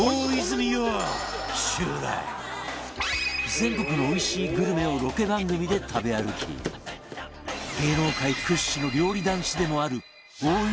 全国のおいしいグルメをロケ番組で食べ歩き芸能界屈指の料理男子でもある大泉を迎えて